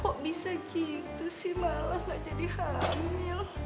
kok bisa gitu sih malah gak jadi hamil